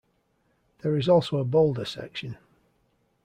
There is also a boulder section.